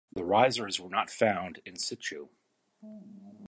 The risers were not found in-situ.